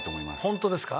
ホントですか？